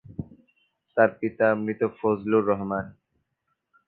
তার পিতা মৃত ফজলুর রহমান।